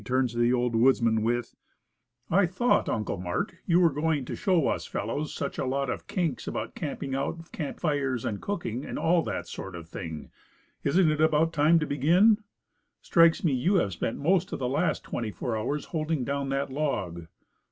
turns to the old woodsman with, "I thought, 'Uncle Mart,' you were going to show us fellows such a lot of kinks about camping out, camp fires, cooking, and all that sort of thing, isn't it about time to begin? Strikes me you have spent most of the last twenty four hours holding down that log."